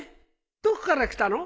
どこから来たの？